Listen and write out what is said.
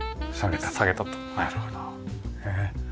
なるほど。